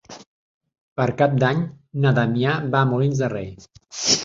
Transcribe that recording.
Per Cap d'Any na Damià va a Molins de Rei.